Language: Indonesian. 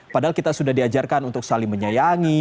padahal kita sudah diajarkan untuk saling menyayangi